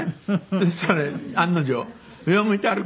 そしたら案の定「『上を向いて歩こう』です」。